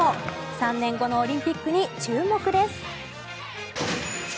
３年後のオリンピックに注目です。